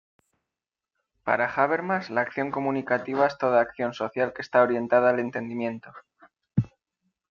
Para Habermas, la acción comunicativa es toda acción social que está orientada al entendimiento.